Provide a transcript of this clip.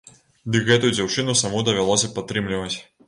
Дык гэтую дзяўчыну саму давялося падтрымліваць.